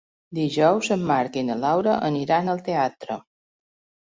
Dijous en Marc i na Laura aniran al teatre.